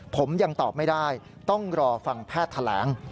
ผมยังตอบไม่ได้ต้องรอฟังแพทย์แถลง